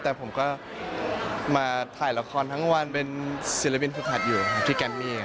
แต่ผมก็มาถ่ายละครทั้งวันเป็นศีรภินฐุคัทอยู่พี่แกนมี่